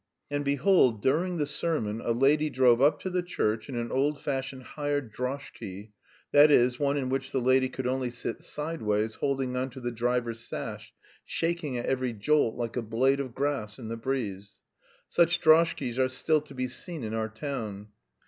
And behold, during the sermon a lady drove up to the church in an old fashioned hired droshky, that is, one in which the lady could only sit sideways, holding on to the driver's sash, shaking at every jolt like a blade of grass in the breeze. Such droshkys are still to be seen in our town.